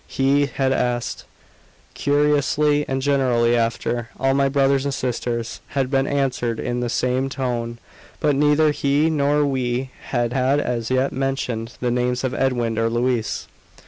He had asked, cursorily and generally, after "all my brothers and sisters," and been answered in the same tone; but neither he nor we had as yet mentioned the names of Edwin or Louise.